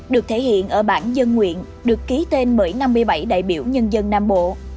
được thể hiện ở bản dân nguyện được ký tên bởi năm mươi bảy đại biểu nhân dân nam bộ